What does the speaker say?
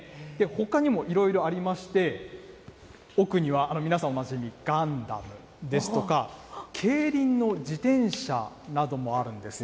ほかにもいろいろありまして、奥には皆さんおなじみ、ガンダムですとか、競輪の自転車などもあるんです。